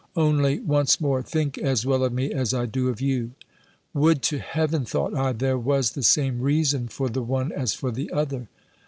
Only, once more, think as well of me as I do of you." "Would to Heaven," thought I, "there was the same reason for the one as for the other!"